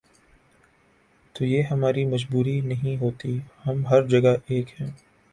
تو یہ ہماری مجبوری نہیں ہوتی، ہم ہر جگہ ایک ہیں۔